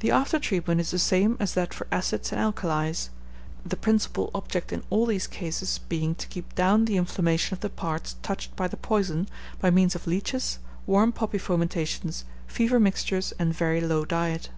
The after treatment is the same as that for acids and alkalis; the principal object in all these cases being to keep down the inflammation of the parts touched by the poison by means of leeches, warm poppy fomentations, fever mixtures, and very low diet.